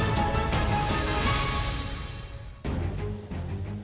kisah kisah dari dapi posora